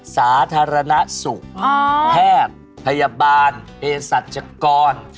สาธารณสุขแพทย์พยาบาลเพศรัชกร